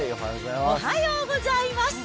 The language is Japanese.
おはようございます。